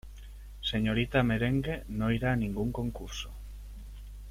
Señorita Merengue no iria a ningún concurso.